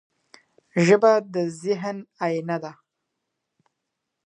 ژبه د ذهن آیینه ده.